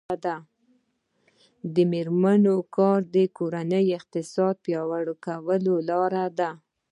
د میرمنو کار د کورنۍ اقتصاد پیاوړی کولو لاره ده.